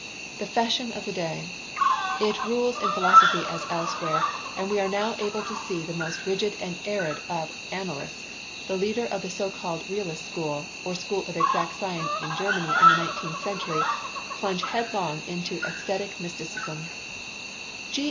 The fashion of the day! It rules in philosophy as elsewhere, and we are now about to see the most rigid and arid of analysts, the leader of the so called realist school, or school of exact science in Germany in the nineteenth century, plunge headlong into aesthetic mysticism.